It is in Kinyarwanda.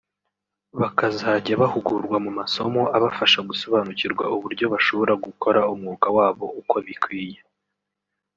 bakazajya bahugurwa mu masomo abafasha gusobanukirwa uburyo bashobora gukora umwuga wabo uko bikwiye